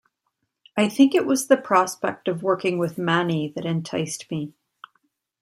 I think it was the prospect of working with Mani that enticed me.